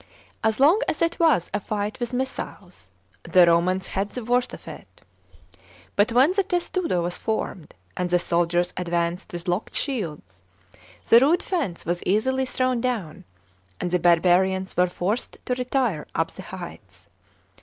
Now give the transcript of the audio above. As long as it was a fight with missiles, the Romans had the worst of it, but when the te»tudo was formed, and the soldiers advanced with locked shields, the rude fence was easily thrown down, and the barbarians were forced to retire up the heights.